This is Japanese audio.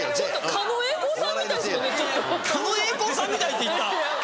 狩野英孝さんみたいって言った？